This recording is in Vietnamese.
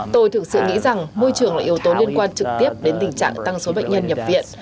tôi thực sự nghĩ rằng môi trường là yếu tố liên quan trực tiếp đến tình trạng tăng số bệnh nhân nhập viện